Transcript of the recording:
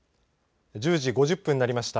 １０時５０分になりました。